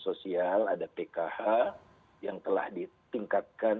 sosial ada pkh yang telah ditingkatkan